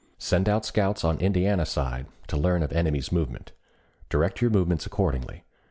Send out scouts on Indiana side to learn of enemy's movement. Direct your movements accordingly.